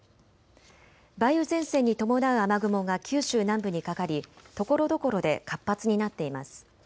梅雨前線に伴う雨雲が九州南部にかかり、ところどころで活発になっています。